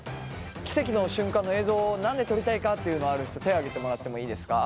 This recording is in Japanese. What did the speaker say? キセキの瞬間の映像を何で撮りたいかっていうのある人手を挙げてもらってもいいですか？